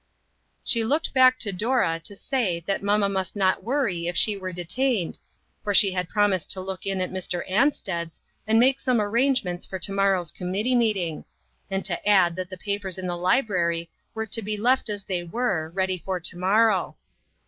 She looked back to Dora to say that mamma must not worry if she were detained, for she had promised to look in at Mr. Anstead's and make some arrangements for to morrow's committee meeting ; and to add that the papers in the library were to be left as they were, ready for to morrow."